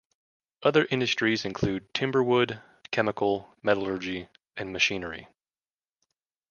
Other industries include timber-wood, chemical, metallurgy, and machinery.